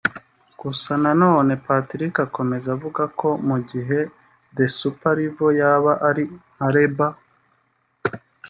Gusa nanone Patrick akomeza avuga ko mu gihe The super level yaba ari nka label